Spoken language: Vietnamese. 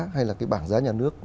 hay là cái bảng giá nhà nước